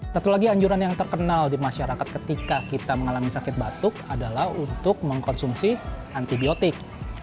satu lagi anjuran yang terkenal di masyarakat ketika kita mengalami sakit batuk adalah untuk mengkonsumsi antibiotik